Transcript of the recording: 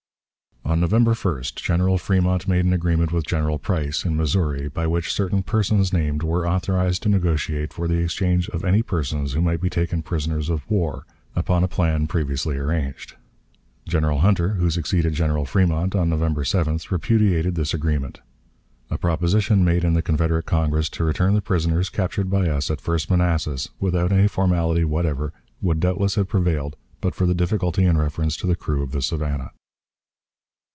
On November 1st General Fremont made an agreement with General Price, in Missouri, by which certain persons named were authorized to negotiate for the exchange of any persons who might be taken prisoners of war, upon a plan previously arranged. General Hunter, who succeeded General Fremont, on November 7th, repudiated this agreement. A proposition made in the Confederate Congress to return the prisoners captured by us at first Manassas, without any formality whatever, would doubtless have prevailed but for the difficulty in reference to the crew of the Savannah.